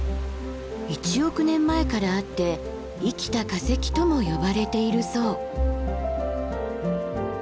１億年前からあって生きた化石とも呼ばれているそう。